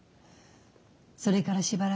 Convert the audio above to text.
それからしばらくして。